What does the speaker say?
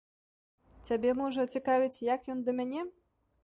Цябе, можа, цікавіць, як ён да мяне?